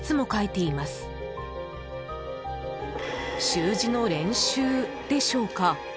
［習字の練習でしょうか？］